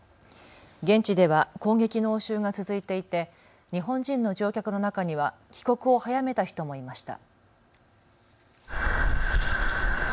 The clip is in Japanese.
現地では攻撃の応酬が続いていて日本人の乗客の中には帰国を早めた人もいました。